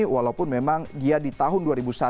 walaupun memang dia di tahun dua ribu satu